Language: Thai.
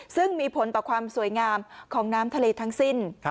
ซึ่งมีผลต่อความสวยงามของน้ำทะเลทั้งสิ้น